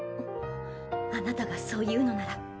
あなたがそう言うのなら。